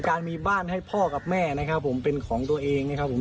การมีบ้านให้พ่อกับแม่นะครับผมเป็นของตัวเองนะครับผม